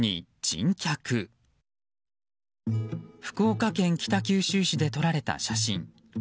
福岡県北九州市で撮られた写真。